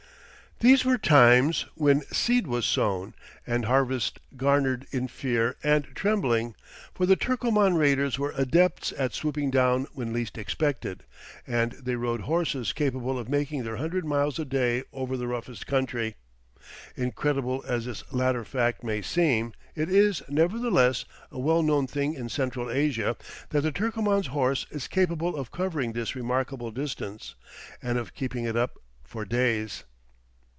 These were times when seed was sown and harvest garnered in fear and trembling, for the Turkoman raiders were adepts at swooping down when least expected, and they rode horses capable of making their hundred miles a day over the roughest country. (Incredible as this latter fact may seem, it is, nevertheless, a well known thing in Central Asia that the Turkoman's horse is capable of covering this remarkable distance, and of keeping it up for days.)